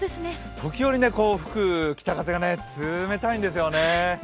時折吹く北風が冷たいんですよね。